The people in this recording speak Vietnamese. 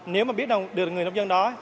nếu mà biết được người nông dân đó